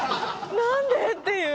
なんでっていう。